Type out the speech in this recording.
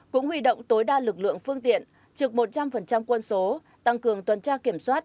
cũng huy động tối đa lực lượng phương tiện trực một trăm linh quân số tăng cường tuần tra kiểm soát